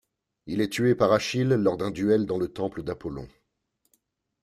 Il est tué par Achille lors d'un duel dans le temple d'Apollon.